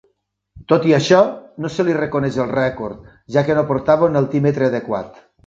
Tot i això, no se li reconeix el rècord, ja que no portava un altímetre adequat.